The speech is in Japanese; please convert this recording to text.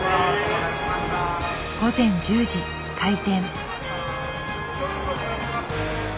午前１０時開店。